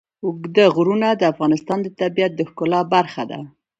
اوږده غرونه د افغانستان د طبیعت د ښکلا برخه ده.